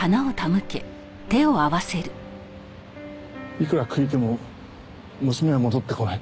いくら悔いても娘は戻ってこない。